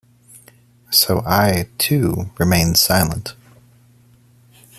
So I, too, remained silent.